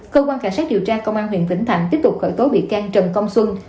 cơ quan cảnh sát điều tra công an huyện vĩnh thạnh tiếp tục khởi tố bị can trần công xuân